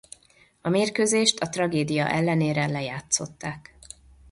A mérkőzést a tragédia ellenére lejátszották.